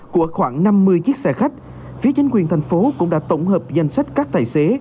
của khoảng năm mươi chiếc xe khách phía chính quyền thành phố cũng đã tổng hợp danh sách các tài xế